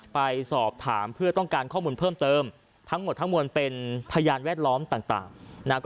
ไปสอบถามเพื่อต้องการข้อมูลเพิ่มเติมทั้งหมดทั้งมวลเป็นพยานแวดล้อมต่างนะ